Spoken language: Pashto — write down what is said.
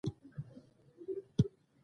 په تورونو کي سل ګونه تپېدله